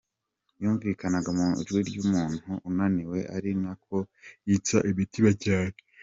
Yumvikanaga mu ijwi ry’umuntu unaniwe ari nako yitsa imitima cyane.